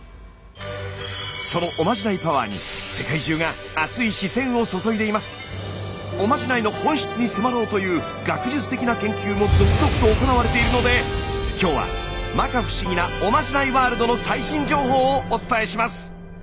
そのおまじないパワーにおまじないの本質に迫ろうという学術的な研究も続々と行われているので今日は摩訶不思議なおまじないワールドの最新情報をお伝えします！